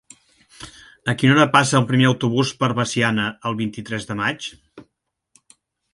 A quina hora passa el primer autobús per Veciana el vint-i-tres de maig?